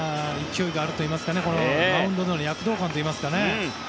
勢いがあるといいますかマウンドでの躍動感ですね。